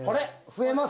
増えます。